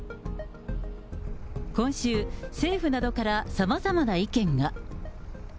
今週、政府などからさまざまな意見が。